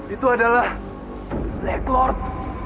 itu adalah black lord